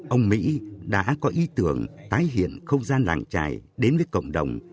ông mỹ đã có ý tưởng tái hiện không gian làng trài đến với cộng đồng